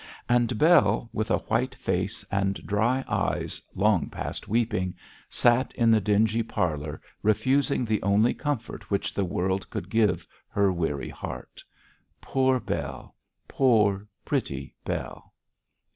And Bell, with a white face and dry eyes, long past weeping, sat in the dingy parlour, refusing the only comfort which the world could give her weary heart. Poor Bell! poor, pretty Bell!